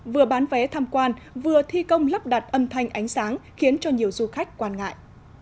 vừa bán vé tham quan vừa thi công lắp đặt âm thanh ánh sáng khiến cho nhiều du khách quan ngại